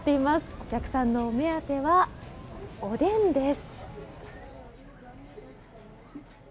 お客さんのお目当てはおでんです。